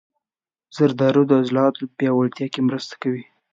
زردالو د عضلاتو پیاوړتیا کې مرسته کوي.